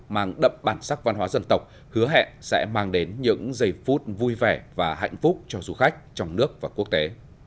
mang đậm bản sắc văn hóa dân tộc hứa hẹn sẽ mang đến những giây phút vui vẻ và hạnh phúc cho du khách trong nước và quốc tế